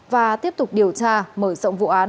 và tiếp tục điều tra mở rộng vụ án